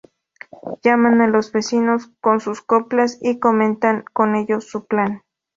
Llaman a los vecinos con sus coplas y comentan con ellos su plan.